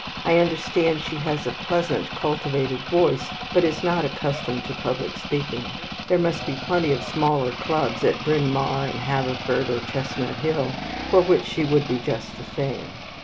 I understand she has a pleasant cultivated voice, but is not accustomed to public speaking. There must be plenty of smaller clubs at Bryn Mawr, or Haverford, or Chestnut Hill, for which she would be just the thing.